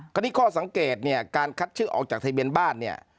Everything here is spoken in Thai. ข้อนี้ข้อสังเกตเนี่ยการคัดชื่อออกจากทะเบียนบ้านเนี่ย